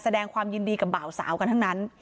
แสดงความยินดีกับบ่าวสาวกันทั้งนั้น